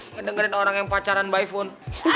ngedengerin orang yang pacaran by phone